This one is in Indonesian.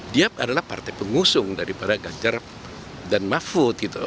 dia adalah partai pengusung daripada ganjar dan mahfud gitu